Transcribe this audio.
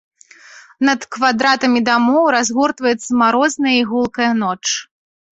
Над квадратамі дамоў разгортваецца марозная і гулкая ноч.